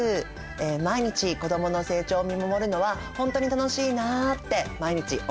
毎日子どもの成長を見守るのはほんとに楽しいなって毎日思ってます。